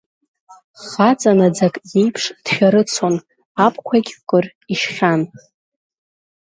Хаҵа наӡак иеиԥш дшәарацон абқәагь кыр ишьхьан.